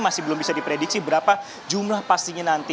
masih belum bisa diprediksi berapa jumlah pastinya nanti